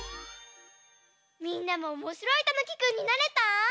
みんなもおもしろいたぬきくんになれた？